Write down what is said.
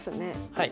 はい。